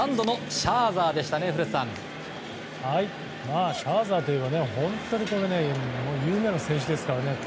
シャーザーといえば本当に有名な選手ですからね。